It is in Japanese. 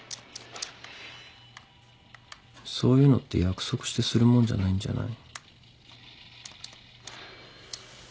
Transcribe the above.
そういうのって約束してするもんじゃないんじゃない？